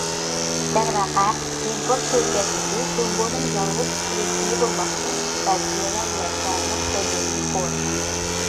دەرۋەقە ئىمپورت كۆرگەزمىسى جۇڭگونىڭ يالغۇز كىشىلىك كۈيى بولماستىن، بەلكى يەنە يەر شارىنىڭ ئومۇمىي خورى.